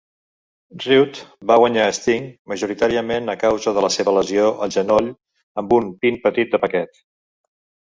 Rude va guanyar a Sting, majoritàriament a causa de la seva lesió al genoll, amb un pin petit de paquet.